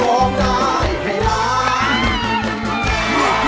ร้องได้ครับ